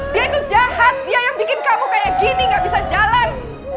dia ini jahat dia yang bikin kamu kayak gini gak bisa jalan